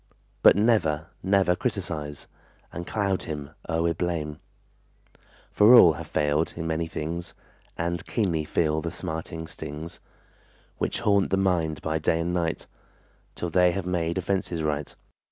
But never, never criticize And cloud him o'er with blame; For all have failed in many things And keenly feel the smarting stings, Which haunt the mind by day and night Till they have made offenses right.